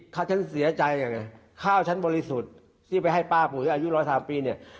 ข้าวฉันเสียใจอ่ะเนี่ยข้าวฉันบริสุทธิ์ที่ไปให้ป้าปุ๋ยอายุร้อยสามปีเนี่ย